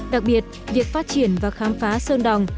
đặc biệt việc phát triển và khám phá sơn đồng